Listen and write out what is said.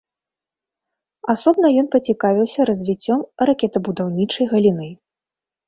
Асобна ён пацікавіўся развіццём ракетабудаўнічай галіны.